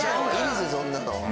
そんなの。